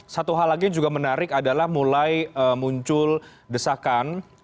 satu hal lagi yang juga menarik adalah mulai muncul desakan